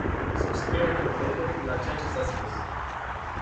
Subscriu întru totul la ceea ce s-a spus.